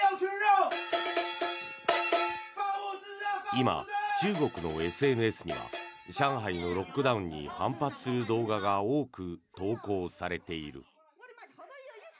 今、中国のＳＮＳには上海のロックダウンに反発する動画が多く投稿されている。